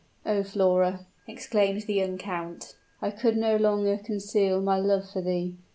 Oh, Flora," exclaimed the young count, "I could no longer conceal my love for thee!